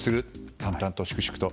淡々と、粛々と。